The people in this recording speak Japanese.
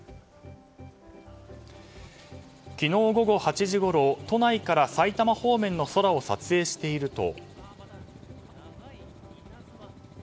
昨日午後８時ごろ都内から埼玉方面の空を撮影していると。